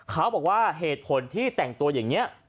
เขาบอกว่าเหตุผลที่แต่งตัวอย่างนี้